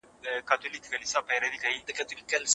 ولي هوډمن سړی د پوه سړي په پرتله ښه ځلېږي؟